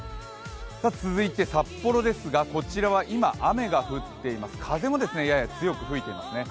続いて札幌ですが、こちらは今、雨が降っています風もやや強く吹いていますね。